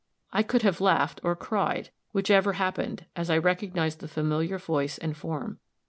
I could have laughed or cried, whichever happened, as I recognized the familiar voice and form.